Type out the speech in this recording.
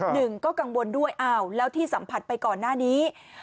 หนึ่งก็กังวลด้วยอ้าวแล้วที่สัมผัสไปก่อนหน้านี้